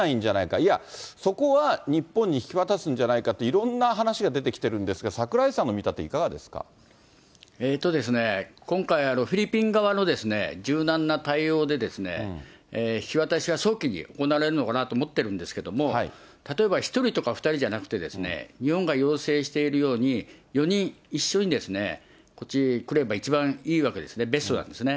いや、そこは日本に引き渡すんじゃないかって、いろんな話が出てきてるんですが、櫻井さんの見立て、今回、フィリピン側の柔軟な対応で、引き渡しは早期に行われるのかなと思ってるんですけれども、例えば１人とか２人じゃなくて、日本が要請しているように、４人一緒にこっちへ来れば一番いいわけですね、ベストなんですね。